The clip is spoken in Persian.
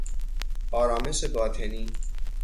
آرامش باطنی